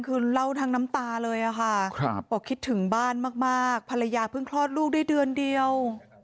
ครับครับขอคิดถึงบ้านมากมากภรรยาเพิ่งคลอดลูกได้เดือนเดียว